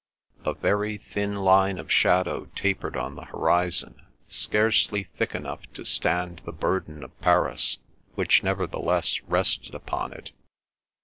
A very thin line of shadow tapered on the horizon, scarcely thick enough to stand the burden of Paris, which nevertheless rested upon it.